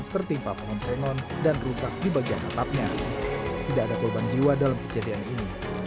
tertimpa pohon sengon dan rusak di bagian atapnya tidak ada korban jiwa dalam kejadian ini